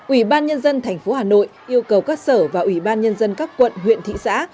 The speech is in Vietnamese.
ubnd tp hà nội yêu cầu các sở và ubnd các quận huyện thị xã